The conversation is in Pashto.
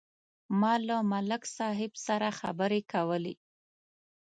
ما له ملک صاحب سره خبرې کولې.